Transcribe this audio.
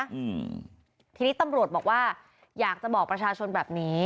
อืมทีนี้ตำรวจบอกว่าอยากจะบอกประชาชนแบบนี้